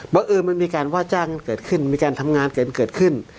ว่ามันมีการว่าจ้างเกิดขึ้นมีการทำงานกันเกิดขึ้น